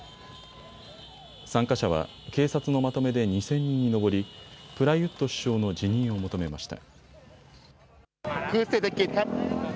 参加者は警察のまとめで２０００人に上りプラユット首相の辞任を求めました。